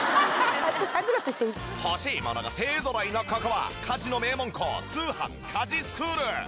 欲しいものが勢ぞろいのここは家事の名門校通販☆家事スクール！